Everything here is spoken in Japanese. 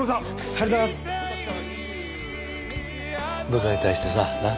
部下に対してさな？